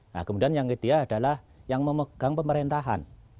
nah kemudian yang ketiga adalah yang memegang pemerintahan